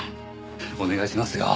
お願いしますよ。